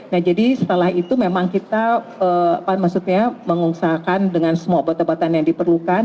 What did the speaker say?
nah jadi setelah itu memang kita mengusahakan dengan semua bantuan bantuan yang diperlukan